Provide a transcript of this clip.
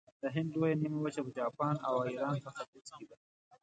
د هند لویه نیمه وچه، جاپان او ایران په ختیځ کې دي.